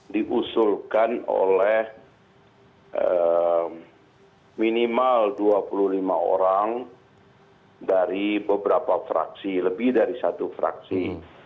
diusulkan oleh minimal dua puluh lima orang dari beberapa fraksi lebih dari satu fraksi